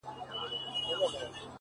هغه خو دا خبري پټي ساتي’